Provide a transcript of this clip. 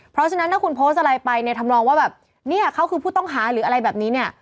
เพราะฉะนั้นถ้าคุณโพสต์อะไรไปในธรรมนองว่าแบบเนี่ยเขาคือผู้ต้องหาหรืออะไรแบบนี้เนี่ย